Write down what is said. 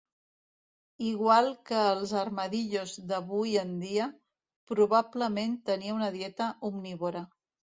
Igual que els armadillos d'avui en dia, probablement tenia una dieta omnívora.